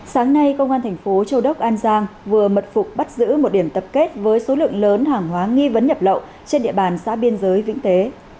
sáng nay công an thành phố châu đốc an giang vừa mật phục bắt giữ một điểm tập kết với số lượng lớn hàng hóa nghi vấn nhập lậu trên địa bàn xã biên giới vĩnh tế